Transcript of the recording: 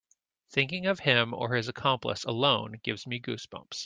Thinking of him or his accomplice alone gives me goose bumps.